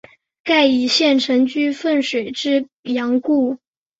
盖以县城居汾水之阳故。